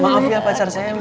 maaf ya pacar saya